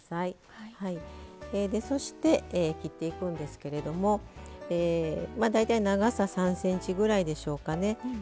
そして切っていくんですけれども大体長さ３ｃｍぐらいでしょうかね。